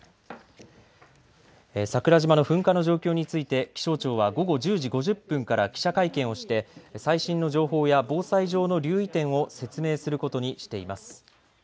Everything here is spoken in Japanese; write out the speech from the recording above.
桜島の噴火の状況について気象庁は午後１０時５０分から記者会見をして最新の情報や防災上の留意点を説明することにしています。